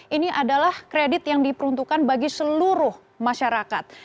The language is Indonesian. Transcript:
ini adalah kredit yang diperuntukkan bagi seluruh masyarakat